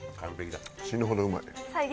死ぬほどうまい。